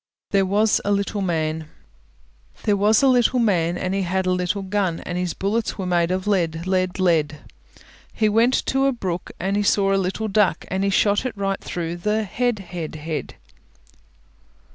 THERE WAS A LITTLE MAN There was a little man, And he had a little gun, And his bullets were made of lead, lead, lead; He went to the brook And saw a little duck, And he shot it right through the head, head, head.